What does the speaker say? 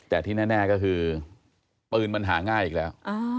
แต่ที่แน่ก็คือปืนมันหาง่ายอีกแล้ว